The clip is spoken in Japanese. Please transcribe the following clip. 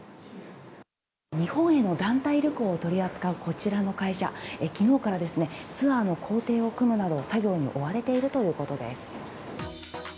日本への団体旅行を取り扱うこちらの会社昨日からツアーの行程を組むなど作業に追われているということです。